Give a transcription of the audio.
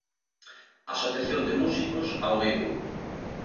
Asociación de Músicos ao Vivo.